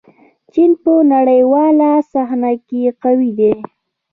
چین په نړیواله صحنه کې قوي دی.